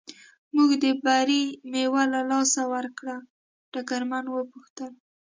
موږ د بري مېوه له لاسه ورکړه، ډګرمن و پوښتل.